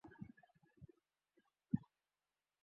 তিনি বিংশ শতাব্দীর একজন খ্যাতিসম্পন্ন বিজ্ঞানী ছিলেন।